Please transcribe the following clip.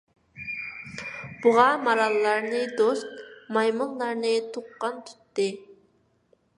بۇغا، ماراللارنى دوست، مايمۇنلارنى تۇغقان تۇتتى.